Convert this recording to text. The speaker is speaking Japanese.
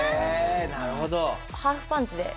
なるほど。